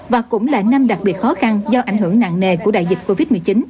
và cũng là năm đặc biệt khó khăn do ảnh hưởng nặng nề của đại dịch covid một mươi chín